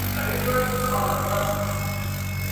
زورور هم تر چنګېز هم تر سکندر دی.